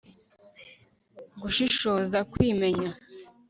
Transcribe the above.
gushishoza, kwimenya